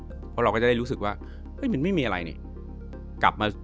เพราะเราก็จะได้รู้สึกว่าเฮ้ยมันไม่มีอะไรนี่กลับมา